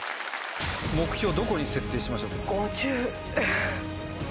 どこに設定しましょうか。